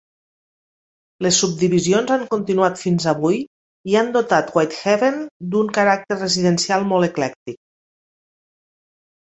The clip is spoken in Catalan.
Les subdivisions han continuat fins avui i han dotat Whitehaven d'un caràcter residencial molt eclèctic.